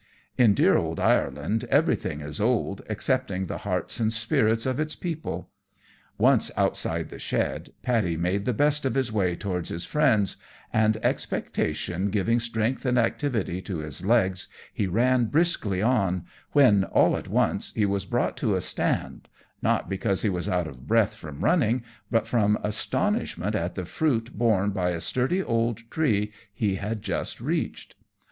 In dear old Ireland everything is old, excepting the hearts and spirits of its people. Once outside the shed, Paddy made the best of his way towards his friend's; and expectation giving strength and activity to his legs, he ran briskly on, when, all at once, he was brought to a stand not because he was out of breath from running, but from astonishment at the fruit borne by a sturdy old tree he had just reached.